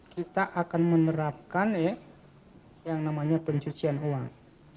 kita akan menerapkan yang namanya pencucian uang